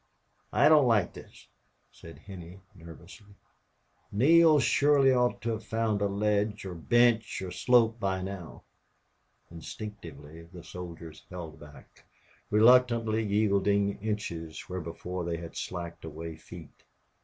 "I don't like this," said Henney, nervously. "Neale surely ought to have found a ledge or bench or slope by now." Instinctively the soldiers held back, reluctantly yielding inches where before they had slacked away feet.